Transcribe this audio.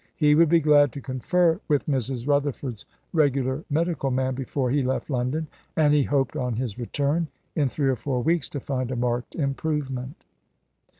He would be glad to confer with Mrs. Rutherford's regular medical man before he left London; and he hoped, on his return in three or four weeks, to find a marked improvement.